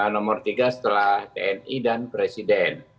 nomor tiga setelah tni dan presiden